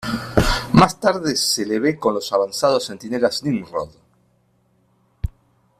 Más tarde se le ve con los avanzados Centinelas Nimrod.